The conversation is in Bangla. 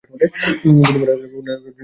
পূর্ণিমার আলোকে যথাসম্ভব কাজে লাগাবে।